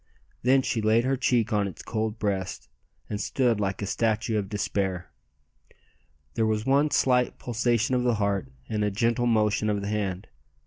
Then she laid her cheek on its cold breast, and stood like a statue of despair. There was one slight pulsation of the heart and a gentle motion of the hand!